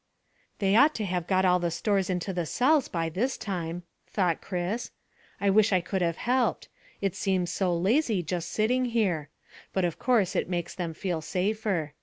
"They ought to have got all the stores into the cells by this time," thought Chris. "I wish I could have helped. It seems so lazy just sitting here. But of course it makes them feel safer.